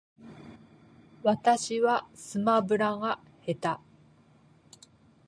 私はスマブラが下手